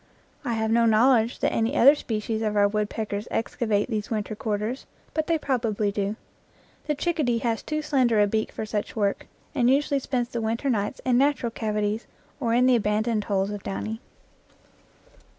I have no knowledge that any other species of our woodpeckers excavate these winter quarters, but they probably do. The chickadee has too slender a beak for such work, and usually spends the winter nights in natural cavities or in the abandoned holes of Downy.